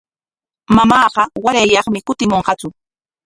Mamaama warayyaqmi kutimunqatsu.